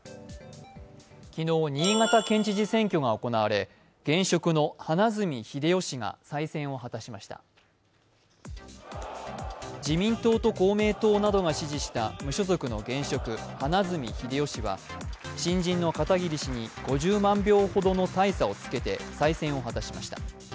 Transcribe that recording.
昨日、新潟県知事選挙が行われ現職の花角英世氏が再選を果たしました自民党と公明党などが支持した無所属の現職・花角英世氏が新人の片桐氏に５０万票ほどの大差をつけて再選を果たしました。